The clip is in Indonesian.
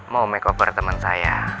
mau makeover temen saya